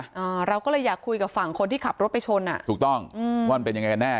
อ่าเราก็เลยอยากคุยกับฝั่งคนที่ขับรถไปชนอ่ะถูกต้องอืมว่ามันเป็นยังไงกันแน่